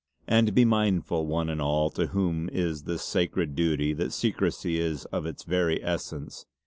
And be mindful one and all to whom is this sacred duty that secrecy is of its very essence.